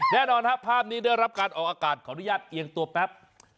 แน่นอนครับภาพนี้ได้รับการออกอากาศขออนุญาตเอียงตัวแป๊บ